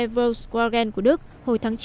volkswagen của đức hồi tháng chín